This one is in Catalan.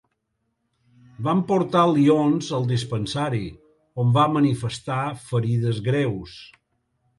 Van portar Lyons al dispensari, on va manifestar ferides greus.